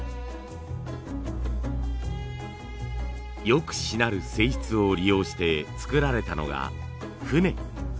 よくしなる性質を利用して作られたのが船。